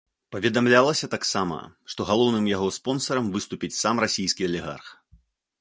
Паведамлялася таксама, што галоўным яго спонсарам выступіць сам расійскі алігарх.